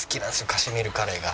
カシミールカレーが。